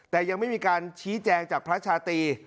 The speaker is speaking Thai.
แต่ยังไม่มีการชี้แจงจากพระชาตรี